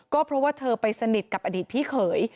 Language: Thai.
ก็เพราะว่าเธอไปสนิทกับอดีตพี่เขย